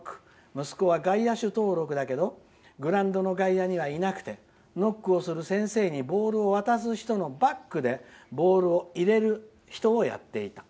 息子は外野手登録だけどグラウンドの外野にはいなくてノックをする先生にボールを渡す人のバックでボールを入れる人をやっている。